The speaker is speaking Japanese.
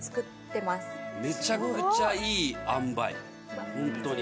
めちゃくちゃいいあんばいホントに。